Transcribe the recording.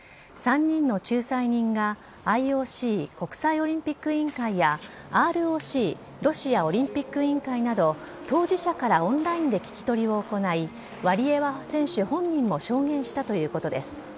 ３人の仲裁人がＩＯＣ・国際オリンピック委員会や、ＲＯＣ・ロシアオリンピック委員会など、当事者からオンラインで聞き取りを行い、ワリエワ選手本人も証言したということです。